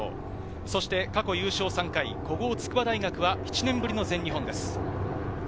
そして過去優勝３回、古豪・筑波大学は７年ぶりの全日本です。